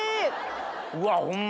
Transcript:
うわホンマ